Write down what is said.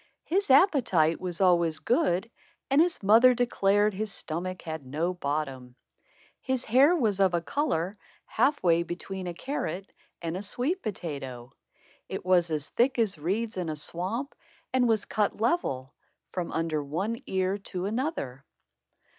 His appetite was always good and his mother declared his stomach had no bottom. His hair was of a color half way between a carrot and a sweet potato. It was as thick as reeds in a swamp and was cut level, from under one ear to another.